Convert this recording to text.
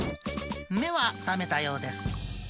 目は覚めたようです。